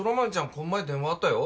この前電話あったよ